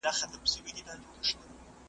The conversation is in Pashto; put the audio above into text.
پیالې راتللای تر خړوبه خو چي نه تېرېدای .